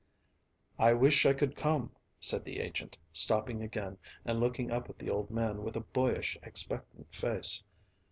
"I wish I could come," said the agent, stopping again and looking up at the old man with a boyish, expectant face.